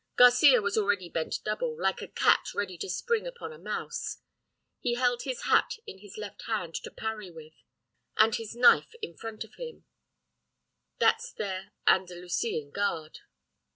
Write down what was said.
Garcia was already bent double, like a cat ready to spring upon a mouse. He held his hat in his left hand to parry with, and his knife in front of him that's their Andalusian guard.